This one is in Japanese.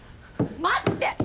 待って！